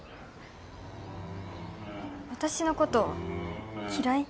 私のこと嫌い？